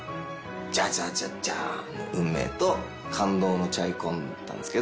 ジャジャジャジャンの『運命』と感動の『チャイコン』だったんですけど。